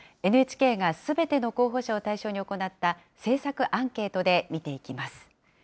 ＮＨＫがすべての候補者を対象に行った政策アンケートで見ていきます。